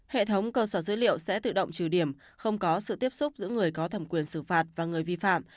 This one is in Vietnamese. hệ thống cơ sở dữ liệu sẽ tự động trừ điểm không có sự tiếp xúc giữa người có thẩm quyền xử phạt và người vi phạm